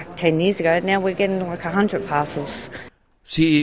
tujuh tahun lalu sekarang kami mendapatkan sejumlah pasir